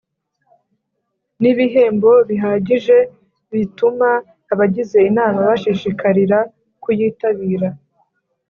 Nibihembo bihagije bituma abagize inama bashishikarira kuyitabira